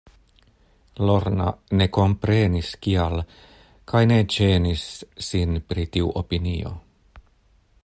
Lorna ne komprenis kial, kaj ne ĝenis sin pri tiu opinio.